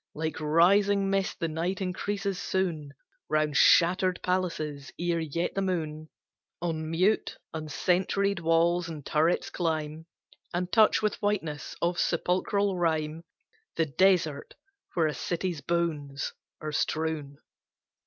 Like rising mist the night increases soon Round shattered palaces, ere yet the moon On mute, unsentried walls and turrets climb, And touch with whiteness of sepulchral rime The desert where a city's bones are strewn.